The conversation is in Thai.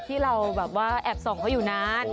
ที่เราแบบว่าแอบส่องเขาอยู่นาน